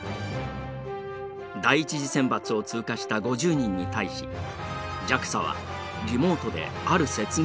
第１次選抜を通過した５０人に対しＪＡＸＡはリモートである説明を行った。